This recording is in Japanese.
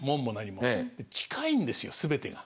で近いんですよすべてが。